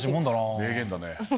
名言だね。